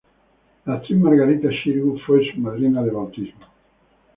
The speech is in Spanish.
La actriz Margarita Xirgu fue su madrina de bautismo.